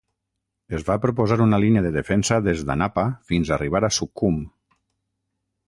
Es va proposar una línia de defensa des d'Anapa fins a arribar a Sukhum.